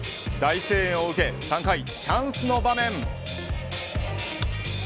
大声援を受け３回、チャンスの場面。